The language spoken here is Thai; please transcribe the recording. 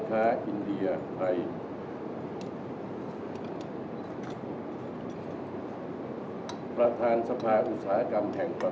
สวัสดีครับสวัสดีครับสวัสดีครับสวัสดีครับ